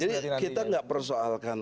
jadi kita gak persoalkan